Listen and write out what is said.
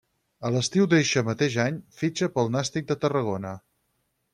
A l'estiu d'eixe mateix any fitxa pel Nàstic de Tarragona.